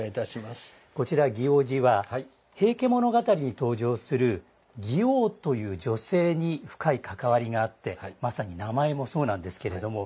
こちら祇王寺は平家物語に登場する祇王という女性に深い関わりがあってまさに名前もそうなんですけれども。